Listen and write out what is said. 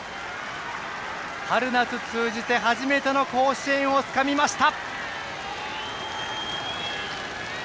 春夏通じて初めての甲子園をつかみました！